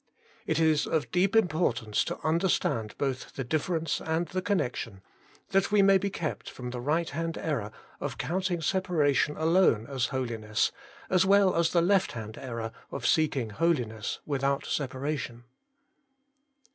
It is of deep importance to under stand both the difference and the connection, that we may be kept from the right hand error of counting separation alone as holiness, as well as the left hand error of seeking holiness without separation.